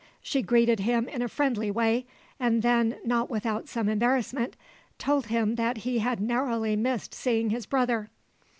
She greeted him in a friendly way, and then, not without some embarrassment, told him that he had narrowly missed seeing his brother.